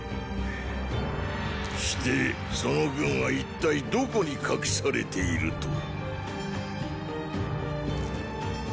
ーーしてその軍は一体どこに隠されていると？